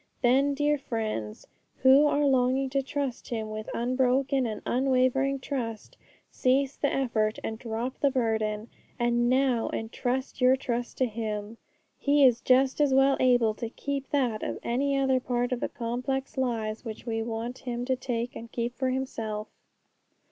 Then, dear friends, who are longing to trust Him with unbroken and unwavering trust, cease the effort and drop the burden, and now entrust your trust to Him! He is just as well able to keep that as any other part of the complex lives which we want Him to take and keep for Himself.